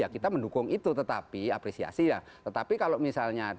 kang ujang selamat malam